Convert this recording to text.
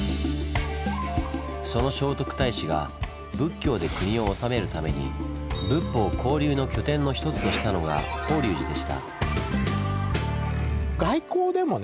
その聖徳太子が仏教で国を治めるために仏法興隆の拠点の一つとしたのが法隆寺でした。